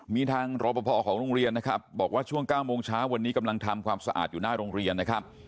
มีทางรอปภของโรงเรียนนะครับบอกว่าช่วง๙โมงเช้าวันนี้กำลังทำความสะอาดอยู่หน้าโรงเรียนนะครับ